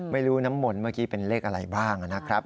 ไม่รู้น้ำมนต์เมื่อกี้เป็นเลขอะไรบ้างนะครับ